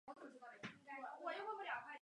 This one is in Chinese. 汉高祖刘邦曾在秦时担任泗水亭亭长。